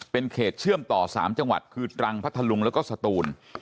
เป็นเขตเชื่อมต่อ๓จังหวัดคือตรังพัทธลุงแล้วก็สตูน